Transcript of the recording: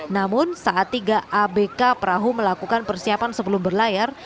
namun saat tiga abk perahu melakukan persiapan sebelum berlayar